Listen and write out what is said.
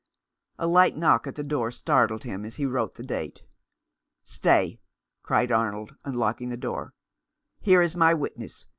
A light knock at the door startled him as he wrote the date. " Stay," cried Arnold, unlocking the door. " Here is my witness.